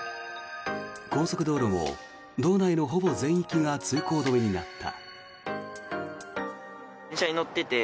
高速道路も道内のほぼ全域が通行止めになった。